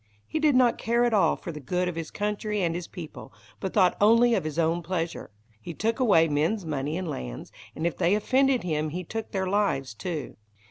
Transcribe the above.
He did not care at all for the good of his country and his people, but thought only of his own pleasure. He took away men's money and lands, and if they offended him he took their lives too.